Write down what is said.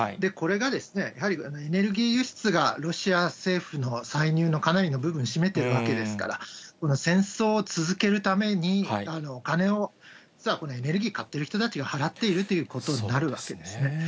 これが、やはりエネルギー輸出がロシア政府の歳入のかなりの部分を占めているわけですから、この戦争を続けるためにお金を、実はエネルギー買ってる人たちが払っているということになるわけですね。